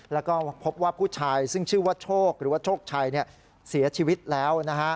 แล้วก็พบว่าผู้ชายซึ่งชื่อว่าโชคหรือว่าโชคชัยเสียชีวิตแล้ว